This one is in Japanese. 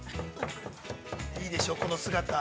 ◆いいでしょう、この姿。